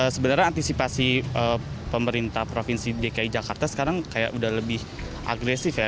sebenarnya antisipasi pemerintah provinsi dki jakarta sekarang kayak udah lebih agresif ya